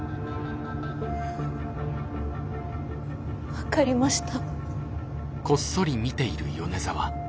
分かりました。